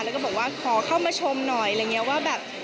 แล้วก็บอกว่าขอเข้ามาชมหน่อยอะไรอย่างนี้ว่าแบบ